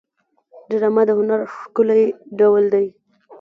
ډرامه د هنر ښکلی ډول دی